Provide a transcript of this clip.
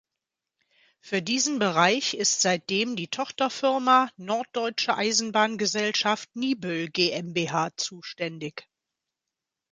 Für diesen Bereich ist seitdem die Tochterfirma "Norddeutsche Eisenbahngesellschaft Niebüll GmbH" zuständig.